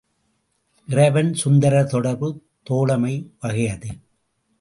இறைவன் சுந்தரர் தொடர்பு தோழமை வகையது.